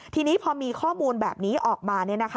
ทีนี้พอมีข้อมูลแบบนี้ออกมา